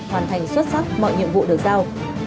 hoàn thành xuất sắc mọi nhiệm vụ được giao